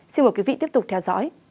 xin mời quý vị tiếp tục theo dõi